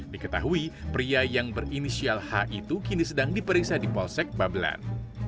diketahui pria yang berinisial h itu kini sedang diperiksa di polsek babelan